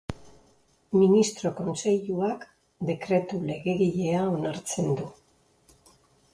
Ministro Kontseiluak Dekretu Legegilea onartzen du.